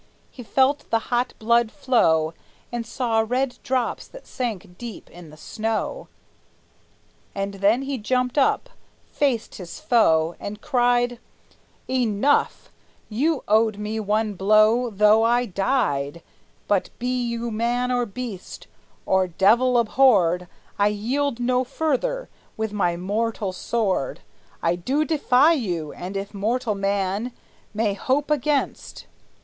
He felt the hot blood flow, And saw red drops that sank deep in the snow, And then he jumped up, faced his foe, and cried: "Enough: you owed me one blow, though I died; But be you man or beast or devil abhorred, I yield no further; with my mortal sword I do defy you; and if mortal man May hope against"